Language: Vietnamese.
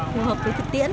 hô hợp với thực tiễn